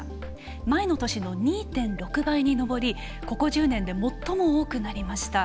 前の年の２．６倍に上りここ１０年で最も多くなりました。